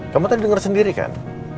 kamu kan denger sendiri kan